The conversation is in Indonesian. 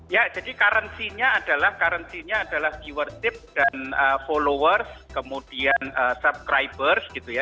ya jadi karansinya adalah karansinya adalah viewership dan followers kemudian subscribers gitu ya